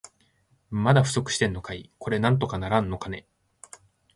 まだ不足してんのかい。これなんとかならんのかね。